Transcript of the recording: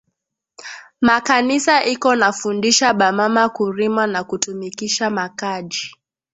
Ma kanisa iko na fundisha ba mama ku rima na ku tumikisha ma Kaji